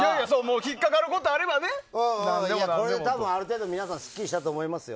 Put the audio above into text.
引っかかることあれば何でも何でも。多分これである程度、皆さんすっきりしたと思いますよ。